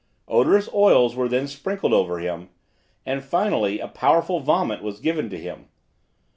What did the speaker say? Odorous oils were then sprinkled over him, and finally a powerful vomit was given to him.